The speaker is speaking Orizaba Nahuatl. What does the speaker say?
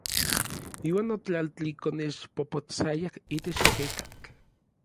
Iuan otlaltlikonexpopotsayaj itech ejekatl.